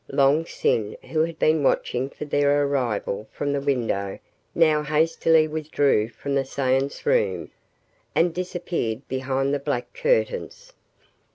Long Sin who had been watching for their arrival from the window now hastily withdrew from the seance room and disappeared behind the black curtains.